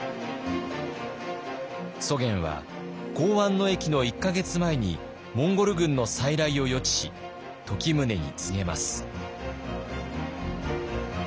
祖元は弘安の役の１か月前にモンゴル軍の再来を予知し時宗に告げます。